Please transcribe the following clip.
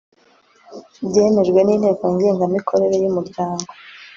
byemejwe n’inteko ngengamikorere y’umuryango